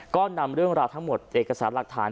ก็นำเรื่องราวทั้งหมดเอกสารหลักฐาน